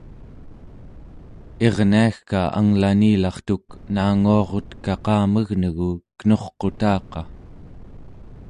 irniagka anglanilartuk naanguarutkaqamegnegu kenurqutaqa